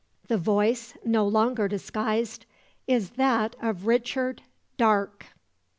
The voice, no longer disguised, is that of Richard Darke!